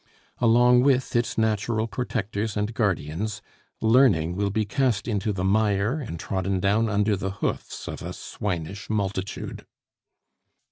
Along with its natural protectors and guardians, learning will be cast into the mire and trodden down under the hoofs of a swinish multitude.